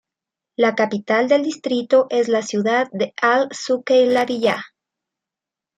La capital del distrito es la ciudad de Al-Suqeilabiya.